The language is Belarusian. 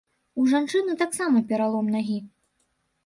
У жанчыны таксама пералом нагі.